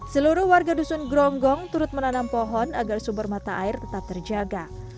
seluruh warga dusun gronggong turut menanam pohon agar sumber mata air tetap terjaga